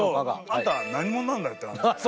あんた何者なんだよって感じだよね。